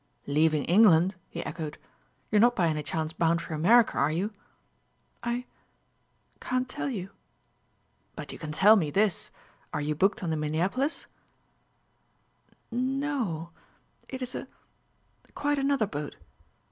"Leaving England?" he echoed. "You're not by any chance bound for America, are you?" "I ... can't tell you." "But you can tell me this: are you booked on the Minneapolis?" "No o; it is a quite another boat."